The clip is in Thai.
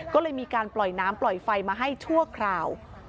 ก็เลยมีการปล่อยน้ำปล่อยไฟมาให้ชั่วคราว